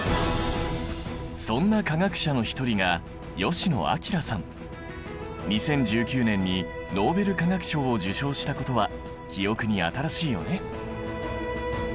そんな化学者の一人が２０１９年にノーベル化学賞を受賞したことは記憶に新しいよね。